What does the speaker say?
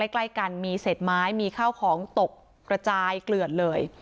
ใกล้กันมีเศษไม้มีข้าวของตกกระจายเกลือดเลย